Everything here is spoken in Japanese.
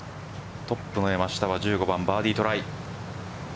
トップの山下は１５番バーディートライ。